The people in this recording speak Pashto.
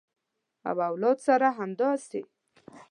او اولاد سره همداسې